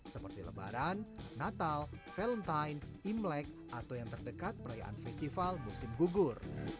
seperti lebaran natal valentine imlek atau yang terdekat perayaan festival musim gugur